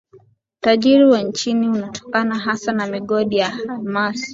Utajiri wa nchi unatokana hasa na migodi ya almasi